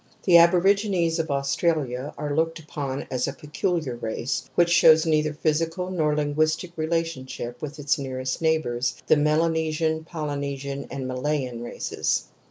The aborigines of Australia are looked upon as a peculiar race which shows neither physical nor linguistic relationship with its nearest neigh bours, the Melanesian, Polynesian and Malayan races.